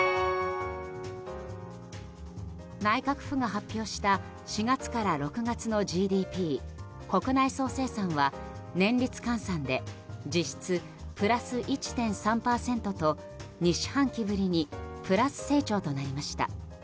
内閣府が発表した４月から６月のＧＤＰ・国内総生産は年率換算で実質プラス１．３％と２四半期ぶりにプラス成長となりました。